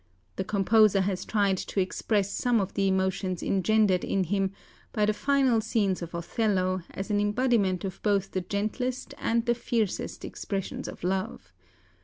The composer has tried to express some of the emotions engendered in him by the final scenes of 'Othello' as an embodiment of both the gentlest and the fiercest expressions of love.